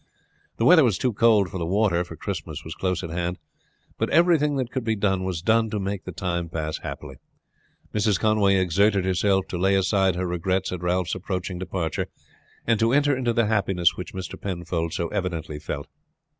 The weather was too cold for the water, for Christmas was close at hand; but everything that could be done was done to make the time pass happily. Mrs. Conway exerted herself to lay aside her regrets at Ralph's approaching departure, and to enter into the happiness which Mr. Penfold so evidently felt.